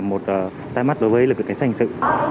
một tay mắt đối với cái xã hội sự